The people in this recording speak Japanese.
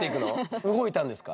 動いたんですか？